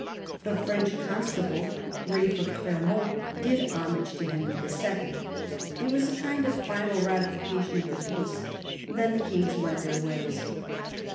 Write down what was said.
The French constable, Ralph of Clermont, did homage to Henry II. It was a kind of final ratification of the peace. Then the kings went their ways.